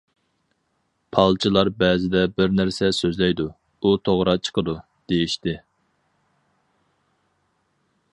پالچىلار بەزىدە بىر نەرسە سۆزلەيدۇ، ئۇ توغرا چىقىدۇ، دېيىشتى.